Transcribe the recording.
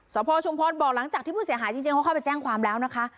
สพชุมพรบอกหลังจากที่ผู้เสียหายจริงเขาเข้าไปแจ้งความแล้วนะคะ